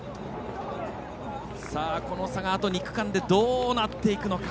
この差が、あと２区間でどうなっていくのか。